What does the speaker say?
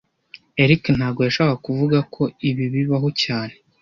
Eric ntago yashakaga kuvuga ko ibi bibaho cyane